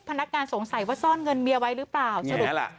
พนักงานสงสัยว่าซ่อนเงินเมียไว้หรือเปล่าสรุป